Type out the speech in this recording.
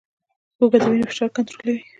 هوږه د وینې فشار کنټرولوي